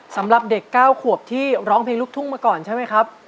สำหรับเด็ก๙ขวบที่ร้องเพลงลูกทุ่งมาก่อนใช่ไหมครับ